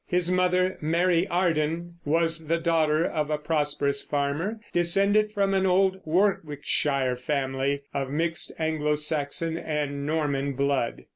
His mother, Mary Arden, was the daughter of a prosperous farmer, descended from an old Warwickshire family of mixed Anglo Saxon and Norman blood.